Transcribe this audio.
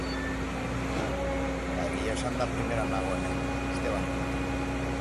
Ba egia esanda primeran nago hemen, uste baino hobeto.